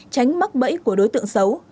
tránh mắc bẫy của đối tượng xấu